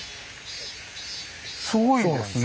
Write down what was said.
すごいですね。